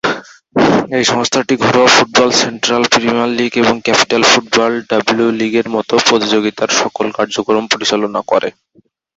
এই সংস্থাটি ঘরোয়া ফুটবলে সেন্ট্রাল প্রিমিয়ার লীগ এবং ক্যাপিটাল ফুটবল ডাব্লিউ-লীগের মতো প্রতিযোগিতার সকল কার্যক্রম পরিচালনা করে।